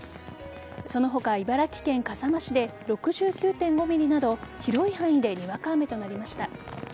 その他、茨城県笠間市で６９．５ｍｍなど広い範囲でにわか雨となりました。